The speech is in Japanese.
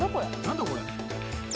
何だこれ？